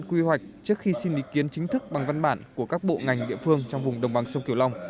quy hoạch trước khi xin ý kiến chính thức bằng văn bản của các bộ ngành địa phương trong vùng đồng bằng sông kiều long